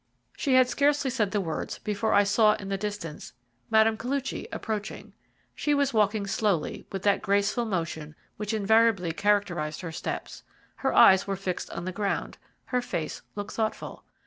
She had scarcely said the words before I saw in the distance Mme. Koluchy approaching. She was walking slowly, with that graceful motion which invariably characterized her steps. Her eyes were fixed on the ground, her face looked thoughtful.